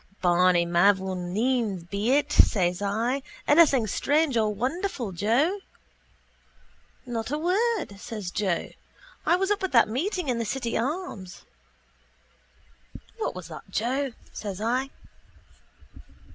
—Barney mavourneen's be it, says I. Anything strange or wonderful, Joe? —Not a word, says Joe. I was up at that meeting in the City Arms. —What was that, Joe? says I.